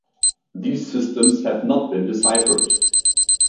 These systems have not been deciphered.